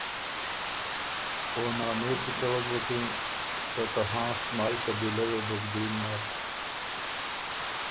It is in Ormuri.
او نانو کی څوَک بُکن، څه ته هانشت مایٛ قبیلۀ وې بُک ډیم نر۔